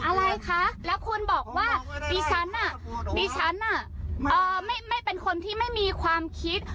อะไรคะแล้วคุณบอกว่าดิฉันดิฉันไม่เป็นคนที่ไม่มีความคิด